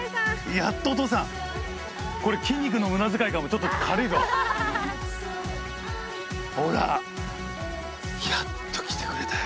やっとお父さんこれ筋肉のむだづかいかもちょっと軽いぞほらやっと来てくれたよ